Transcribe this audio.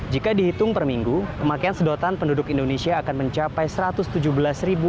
jika dihitung perminggu pemakaian sedotan penduduk indonesia akan mencapai seratus juta batang sedotan plastik